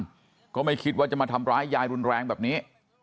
ก็ไม่คิดว่าจะมาทำร้ายยายรุนแรงแบบนี้